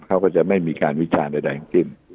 เขาก็จะไม่มีการวิจารณ์ใดกิน